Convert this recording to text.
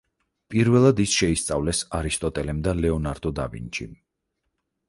პირველად ის შეისწავლეს არისტოტელემ და ლეონარდო და ვინჩიმ.